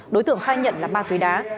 đối tượng khai nhận là ba tuy đá